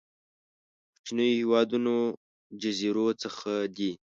کوچنيو هېوادونو جزيرو څخه دي.